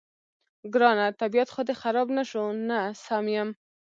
ګرانه، طبیعت خو دې خراب نه شو؟ نه، سم یم.